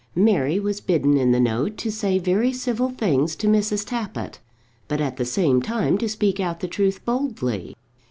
Mary was bidden in the note to say very civil things to Mrs. Tappitt; but, at the same time, to speak out the truth boldly.